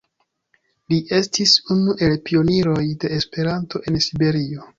Li estis unu el pioniroj de Esperanto en Siberio.